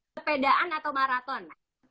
sepedaan atau maraton